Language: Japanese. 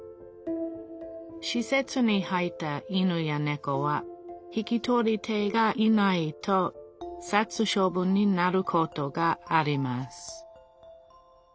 しせつに入った犬やねこは引き取り手がいないと殺処分になることがあります。